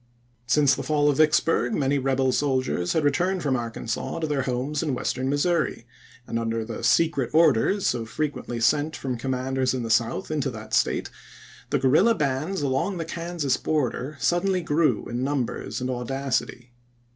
Since the fall of Vicksburg many rebel soldiers had returned from Arkansas to theii' homes in Western Missouri, and under the secret orders so frequently sent from com manders in the South into that State, the guerrOla bands along the Kansas border suddenly grew in numbers and audacity.